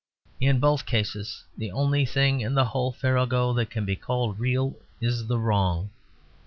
In both cases the only thing in the whole farrago that can be called real is the wrong.